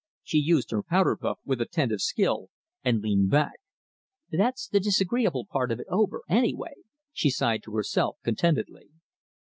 She used her powder puff with attentive skill and leaned back. "That's the disagreeable part of it over, anyway," she sighed to herself contentedly.